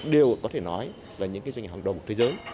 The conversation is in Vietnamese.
đều có thể nói là những doanh nghiệp hàng đầu thế giới